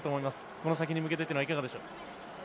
この先に向けてというのはいかがでしょう？